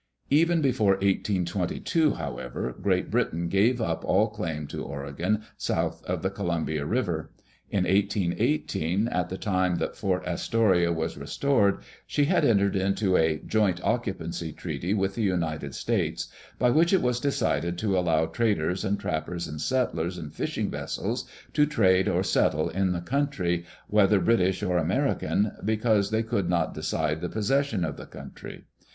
Even before 1822, however, Great Britain gave up all claim to Oregon south of the Columbia River. In 1818, at the time that Fort Astoria was restored, she had entered into a " joint occupancy " treaty with the United States, by which it was decided to allow traders and trappers and settlers and fishing vessels to trade or settle in the country, whether British or American, because they could not decide the possession of the country.